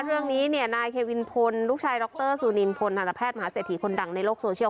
เรื่องนี้เนี่ยนายเควินพลลูกชายดรซูนินพลทันตแพทย์มหาเศรษฐีคนดังในโลกโซเชียล